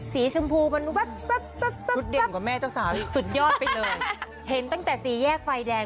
สีชมพูมันแบบแบบแบบแบบสุดยอดไปเลยเห็นตั้งแต่สีแยกไฟแดง